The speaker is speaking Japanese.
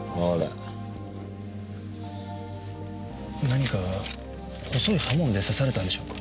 何か細い刃物で刺されたんでしょうか？